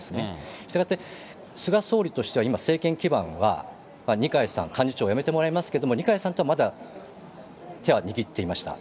したがって、菅総理としては今、政権基盤は二階さん、幹事長辞めてもらいますけれども、二階さんとはまだ手は握っていました。